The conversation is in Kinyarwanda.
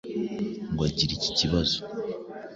ngo agire iki kibazo.